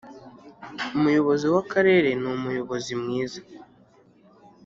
Umuyobozi w ‘akarere ni Umuyobozi mwiza.